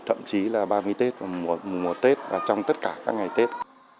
thậm chí là ba mươi tết mùa một tết và trong tất cả các ngày tết